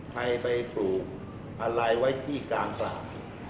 ใครไปปลูกอะไรไว้ที่กลางตลาด